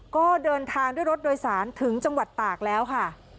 ก็เดินทางด้วยรถโดยสารถึงจังหวัดตากแล้วค่ะ